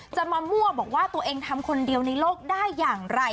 จะมามั่วบอกว่าตัวเองทำคนเดียวในโลกได้อย่างไร